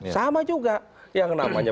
sama juga yang namanya